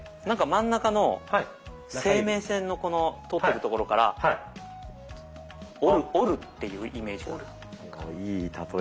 なんか真ん中の生命線のこの通ってるところから折る折るっていうイメージかな。